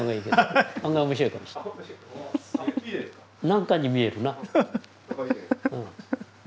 何かに見えるな。